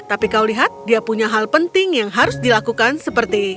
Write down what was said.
tapi kau lihat dia punya hal penting yang harus dilakukan seperti